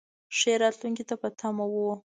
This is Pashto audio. ښې راتلونکې ته په تمه و.